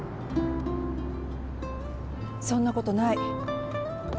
そんなことない。